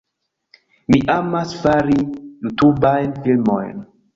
Mi amas fari Jutubajn filmojn